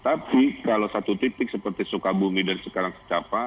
tapi kalau satu titik seperti sukabumi dan sekarang secapa